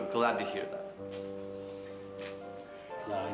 bagus saya senang dengar itu